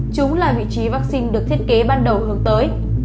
chúng là vị trí vaccine được thiết kế ban đầu hướng tới